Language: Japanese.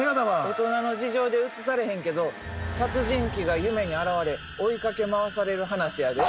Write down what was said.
大人の事情で映されへんけど殺人鬼が夢に現れ追いかけ回される話やで。